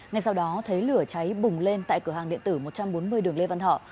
ngay sau đó thấy lửa cháy bùng lên tại cửa hàng điện tử một trăm bốn mươi đường lê văn thọ